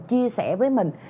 chia sẻ với mình